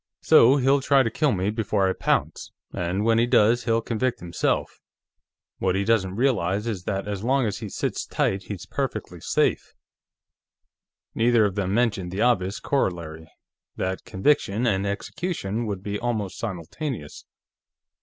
So he'll try to kill me before I pounce, and when he does, he'll convict himself. What he doesn't realize is that as long as he sits tight, he's perfectly safe." Neither of them mentioned the obvious corollary, that conviction and execution would be almost simultaneous.